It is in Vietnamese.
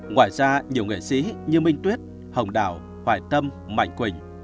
ngoài ra nhiều nghệ sĩ như minh tuyết hồng đào hoài tâm mạnh quỳnh